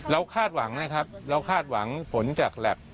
คาดหวังนะครับเราคาดหวังผลจากแล็บ